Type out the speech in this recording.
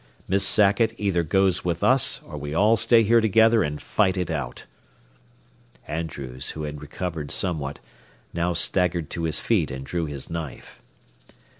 Miss Sackett either goes with us, or we all stay here together and fight it out." Andrews, who had recovered somewhat, now staggered to his feet and drew his knife.